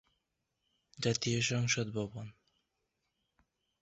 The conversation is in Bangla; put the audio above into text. জাতীয় সংসদ ভবন